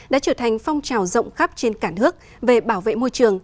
đã trở thành phong trào rộng khắp trên cả nước về bảo vệ môi trường